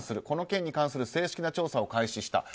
この件に関する正式な調査を開始した。